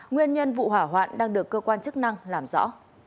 nguyên nhân vụ hỏa hoạn đang được cơ quan chức năng làm rõ